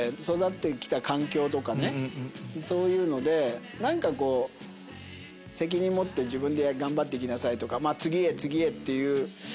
育って来た環境とかねそういうので何かこう責任持って自分で頑張って行きなさいとか次へ次へっていう。